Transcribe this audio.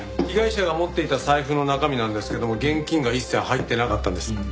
被害者が持っていた財布の中身なんですけども現金が一切入ってなかったんです。